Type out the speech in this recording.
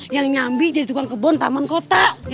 yang nyambi jadi tukang kebun taman kota